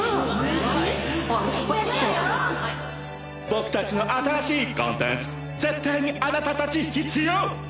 僕たちの新しいコンテンツ絶対にあなたたち必要。